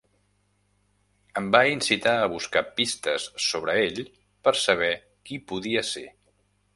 Em va incitar a buscar pistes sobre ell per saber qui podia ser.